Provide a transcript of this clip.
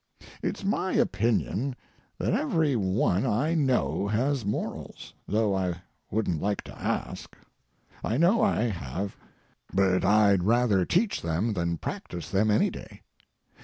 It's my opinion that every one I know has morals, though I wouldn't like to ask. I know I have. But I'd rather teach them than practice them any day.